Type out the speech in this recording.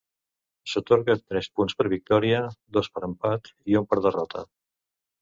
S'atorguen tres punts per victòria, dos per empat i un per derrota.